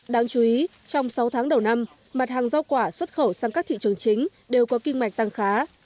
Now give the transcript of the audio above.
đáng chú ý trong sáu tháng đầu năm mặt hàng rau quả xuất khẩu sang các thị trường chính đều có kinh mạch tăng khá